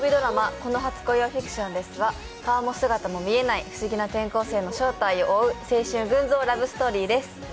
この初恋はフィクションです」は顔も姿も見えない不思議な転校生の正体を追う青春群像ラブストーリーです。